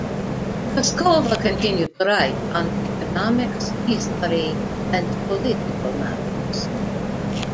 Kuskova continued to write on economics, history and political matters.